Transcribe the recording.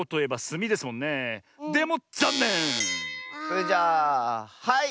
それじゃあはい！